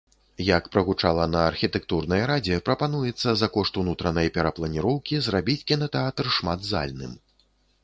Як прагучала на архітэктурнай радзе, прапануецца за кошт унутранай перапланіроўкі зрабіць кінатэатр шматзальным.